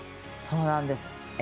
そうなんです。